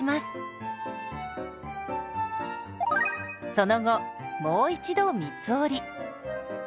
その後もう一度三つ折り。